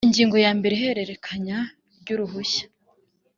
Ingingo ya mbere Ihererekanya ry uruhushya